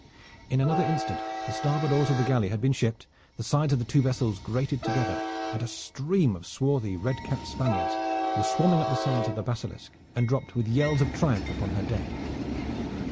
In another instant the starboard oars of the galley had been shipped, the sides of the two vessels grated together, and a stream of swarthy, red capped Spaniards were swarming up the sides of the Basilisk and dropped with yells of triumph upon her deck.